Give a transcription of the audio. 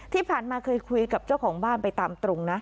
ที่ผ่านมาเคยคุยกับเจ้าของบ้านไปตามตรงนะ